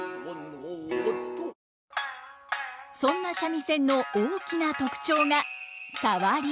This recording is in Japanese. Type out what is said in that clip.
そんな三味線の大きな特徴がサワリ。